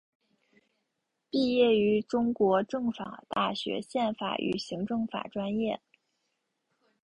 毕业于中国政法大学宪法与行政法专业。